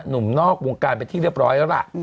หนุ่มนอกวงการเป็นที่เรียบร้อยแล้วล่ะ